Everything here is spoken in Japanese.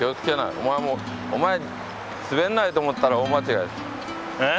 お前もお前滑んないと思ったら大間違い。え？